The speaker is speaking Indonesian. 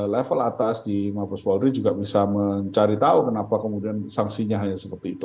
level atas di mabes polri juga bisa mencari tahu kenapa kemudian sanksinya hanya seperti itu